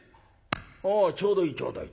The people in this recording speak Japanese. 「あちょうどいいちょうどいい。